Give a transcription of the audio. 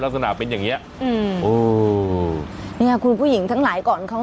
ลักษณะเป็นอย่างเงี้ยอืมโอ้เนี้ยคุณผู้หญิงทั้งหลายก่อนเขา